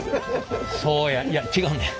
そうやいや違うねん。